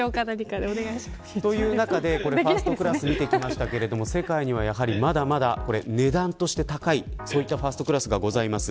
という中でファーストクラスを見てきましたが世界にはまだまだ値段として高いファーストクラスがございます。